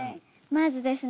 まずですね